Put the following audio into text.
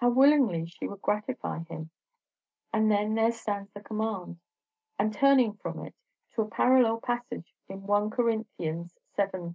how willingly she would gratify him! And then there stands the command. And, turning from it to a parallel passage in 1 Cor. vii.